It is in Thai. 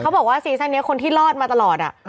บอกว่าซีซั่นนี้คนที่รอดมาตลอด